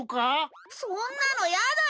そんなのやだよ！